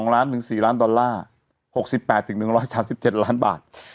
ล้านถึง๔ล้านดอลลาร์๖๘๑๓๗ล้านบาท